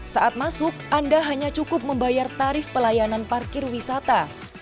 saat masuk anda hanya cukup membayar tarif pelayanan parkir wisata